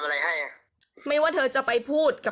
เดี๋ยวไปพูด